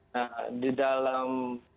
nah di dalam